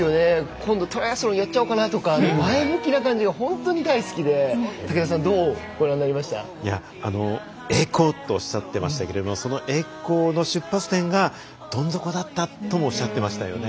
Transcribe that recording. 今度、トライアスロンやっちゃおうかなとか前向きな感じが本当に大好きで武田さん栄光とおっしゃってましたがその栄光の出発点がどん底だったともおっしゃってましたよね。